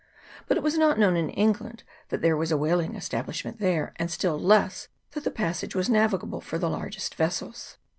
But it was not known in Eng land that there was a whaling establishment there, and still less that the passage was navigable for the largest vessels.